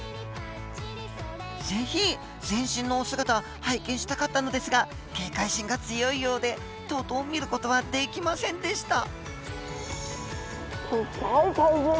ぜひ全身のお姿拝見したかったのですが警戒心が強いようでとうとう見ることはできませんでした。